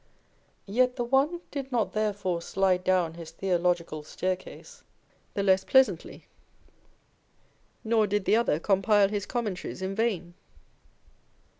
Yet the one did not therefore slide down his theological staircase the less pleasantly ; nor did the other compile his Commentaries in vain